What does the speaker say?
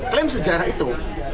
klaim sejarah itu